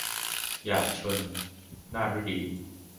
หยาดชล - นาถฤดี